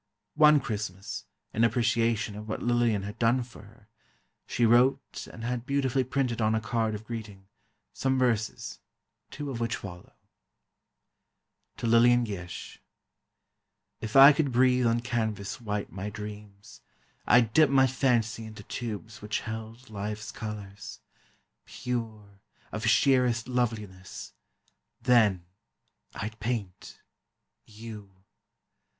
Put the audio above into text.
One Christmas, in appreciation of what Lillian had done for her, she wrote and had beautifully printed on a card of greeting, some verses, two of which follow: TO LILLIAN GISH If I could breathe on canvas white my dreams, I'd dip my fancy into tubes which held Life's colors—pure, of sheerest loveliness, Then—I'd paint—you.